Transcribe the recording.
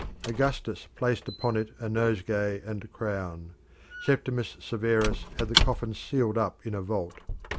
Augustus placed upon it a nosegay and crown. Septimus Severus had the coffin sealed up in a vault.